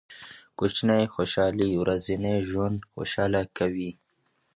کوچني خوښۍ ورځنی ژوند خوشحاله کوي.